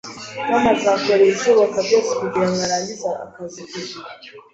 Tom azakora ibishoboka byose kugirango arangize akazi ku gihe